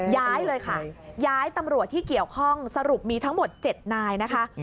ย้ายเลยค่ะย้ายตำรวจที่เกี่ยวข้องสรุปมีทั้งหมด๗นายนะคะ